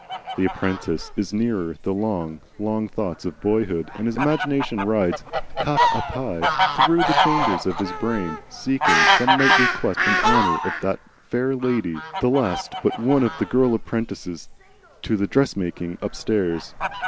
The apprentice is nearer the long long thoughts of boyhood, and his imagination rides cap a pie through the chambers of his brain, seeking some knightly quest in honour of that Fair Lady, the last but one of the girl apprentices to the dress making upstairs.